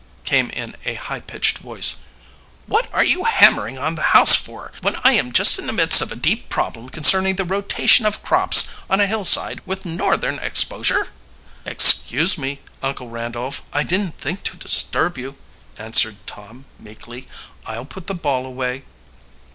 came in a high pitched voice. "What are you hammering on the house for, when I am just in the midst of a deep problem concerning the rotation of crops on a hillside with northern exposure?" "Excuse me, Uncle Randolph, I didn't think to disturb you," answered Tom meekly. "I'll put the ball away."